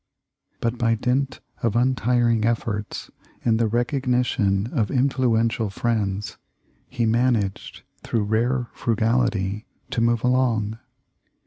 But by dint of untiring efforts and the recog nition of influential friends he managed through rare frugality to move along.